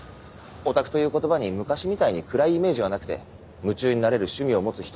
オタクという言葉に昔みたいに暗いイメージはなくて夢中になれる趣味を持つ人